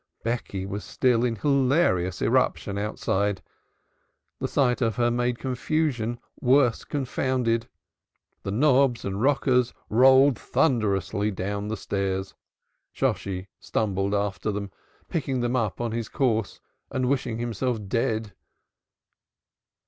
Becky was still in hilarious eruption outside. The sight of her made confusion worse confounded. The knobs and rockers rolled thunderously down the stairs; Shosshi stumbled after them, picking them up on his course and wishing himself dead.